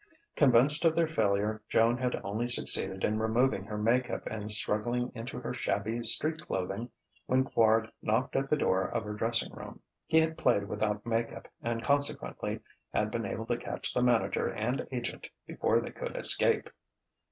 Convinced of their failure, Joan had only succeeded in removing her make up and struggling into her shabby street clothing, when Quard knocked at the door of her dressing room. He had played without make up, and consequently had been able to catch the manager and agent before they could escape.